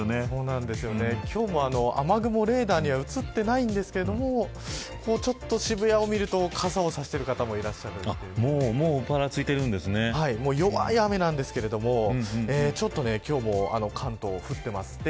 今日も雨雲レーダーには映っていないんですけどちょっと渋谷を見ると傘を差している方ももう弱い雨なんですけど今日も関東、降っています。